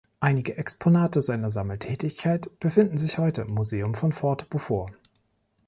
Einige Exponate seiner Sammeltätigkeit befinden sich heute im Museum von Fort Beaufort.